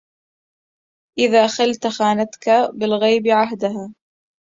إذا خلة خانتك بالغيب عهدها